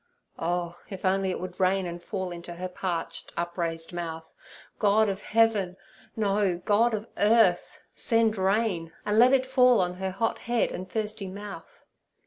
Oh, if only it would rain and fall into her parched, upraised mouth! God of heaven!—no, God of earth!—send rain, and let it fall on her hot head and thirsty mouth.